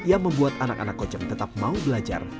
yang membuat anak anak kocek tetap mau belajar